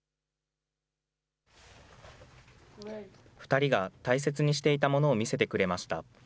２人が大切にしていたものを見せてくれました。